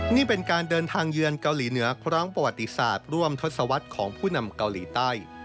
นี่เป็นการเดินทางเยือนเกาหลีเหนือครั้งประวัติศาสตร์ร่วมทศวรรษของผู้นำเกาหลีใต้